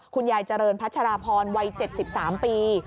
คุณยายเจริญพัชรพรวัยเจ็ดสิบสามปี